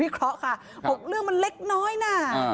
เคราะห์ค่ะ๖เรื่องมันเล็กน้อยนะ